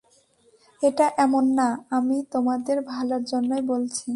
এটা এমন না, আমি তোমাদের ভালোর জন্যই বলছি।